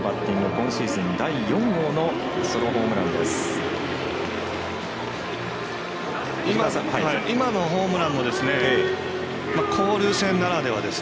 今シーズン第４号のソロホームランです。